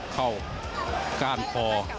ก้านคอ